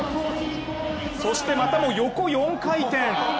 そして、またも横４回転。